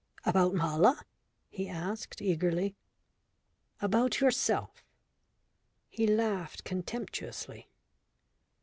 "About Mala?" he asked eagerly. "About yourself." He laughed contemptuously.